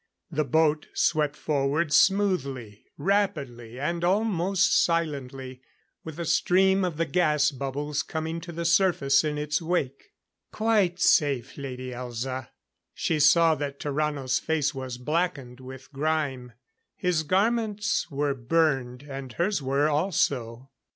The boat swept forward smoothly, rapidly and almost silently, with a stream of the gas bubbles coming to the surface in its wake. "Quite safe, Lady Elza." She saw that Tarrano's face was blackened with grime. His garments were burned, and hers were also.